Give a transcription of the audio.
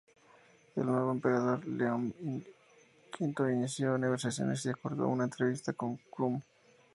El nuevo emperador, León V inició negociaciones y acordó una entrevista con Krum.